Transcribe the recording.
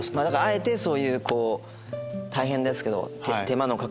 あえてそういうこう大変ですけど。